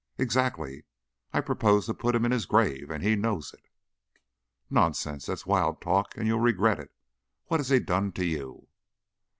"Exactly! I propose to put him in his grave, and he knows it." "Nonsense! That's wild talk and you'll regret it. What has he done to you?"